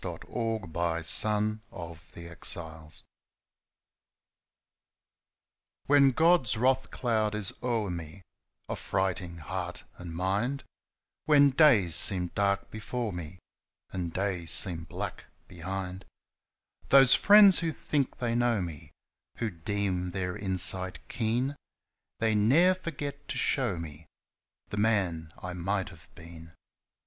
THE MEN WE MIGHT HAVE BEEN When God's wrath cloud is o'er me, Affrighting heart and mind; When days seem dark before me, And days seem black behind; Those friends who think they know me Who deem their insight keen They ne'er forget to show me The man I might have been.